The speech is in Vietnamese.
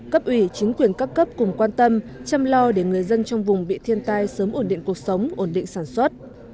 cấp ủy chính quyền các cấp cùng quan tâm chăm lo để người dân trong vùng bị thiên tai sớm ổn định cuộc sống ổn định sản xuất